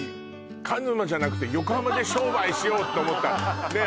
鹿沼じゃなくて横浜で商売しようと思ったねえ